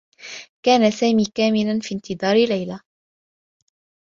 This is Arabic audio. كان سامي كامنا في انتظار ليلى.